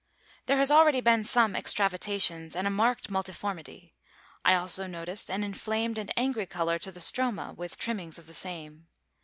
There has already been some extravatations and a marked multiformity. I also noticed an inflamed and angry color to the stroma with trimmings of the same.